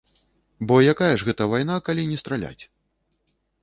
Бо якая ж гэта вайна, калі не страляць?!